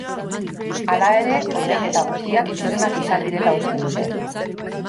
Hala ere, ordainketa guztiak zuzenak izan zirela uste dute.